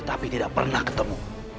tapi tidak pernah ketemu